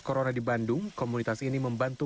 corona di bandung komunitas ini membantu